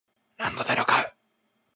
ランドセルを買う